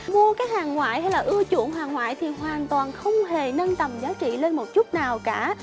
mua cái hàng ngoại hay là ưa chuộng hàng ngoại thì hoàn toàn không hề nâng tầm giá trị lên một chút nào cả